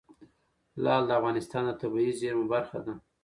لعل د افغانستان د طبیعي زیرمو برخه ده.